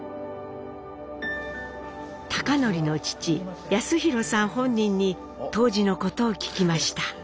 貴教の父康宏さん本人に当時のことを聞きました。